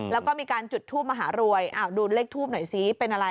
แล้วก็มีการจุดทูปมหารวยดูเลขทูปหน่อยซิเป็นอะไร